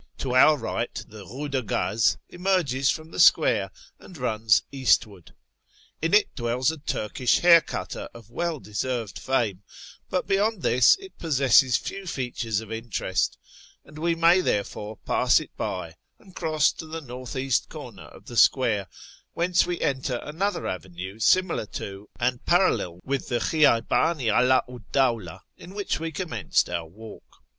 To our right the " Eue de Gaz " emerges from the square, and runs eastwards. In it dwells a Turkish haircutter of well deserved fame, but beyond this it possesses few features of interest, and we may therefore pass it by, and cross to the north east corner of the square, whence we enter another avenue similar to and parallel with the Khiydhdn i Aid hCd Dawlah in which we commenced our walk.